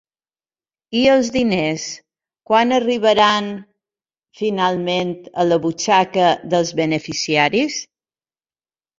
I els diners, quan arribaran finalment a la butxaca dels beneficiaris?